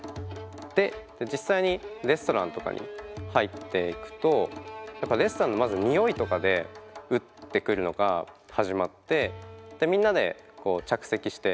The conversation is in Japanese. で実際にレストランとかに入っていくとやっぱレストランのまずにおいとかでウッてくるのが始まってみんなで着席して。